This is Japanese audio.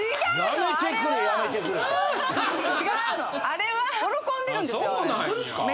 あれは喜んでるんですよあれ。